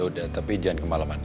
ya udah tapi jangan kemalemannya